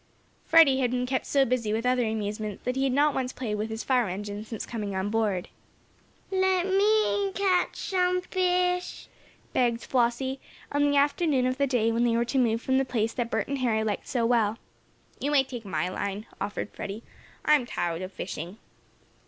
Freddie had been kept so busy with other amusements, that he had not once played with his fire engine, since coming on board. "Let me catch some fish," begged Flossie, on the afternoon of the day when they were to move from the place that Bert and Harry liked so well. "You may take my line," offered Freddie. "I'm tired of fishing."